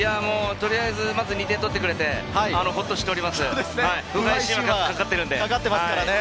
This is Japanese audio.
取りあえず２点取ってくれてホッとしております。